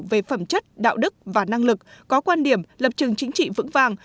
về phẩm chất đạo đức và năng lực có quan điểm lập trường chính trị vững vàng